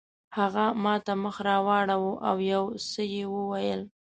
هغه ماته مخ راواړاوه او یو څه یې وویل.